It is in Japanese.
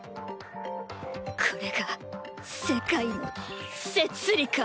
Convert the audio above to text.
これが世界の摂理か。